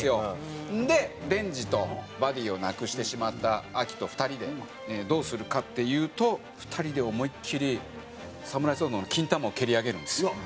でデンジとバディを亡くしてしまったアキと２人でどうするかっていうと２人で思いっきりサムライソードのキンタマを蹴り上げるんですよ。